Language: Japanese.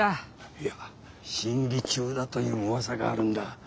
いや審議中だといううわさがあるんだ。